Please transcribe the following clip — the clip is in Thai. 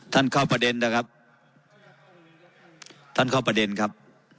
ท่านเข้าประเด็นนะครับท่านเข้าประเด็นครับ